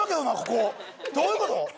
ここどういうこと？